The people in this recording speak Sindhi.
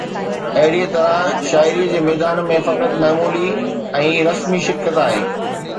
اهڙيءَ طرح شاعريءَ جي ميدان ۾ فقط معمولي ۽ رسمي شرڪت آهي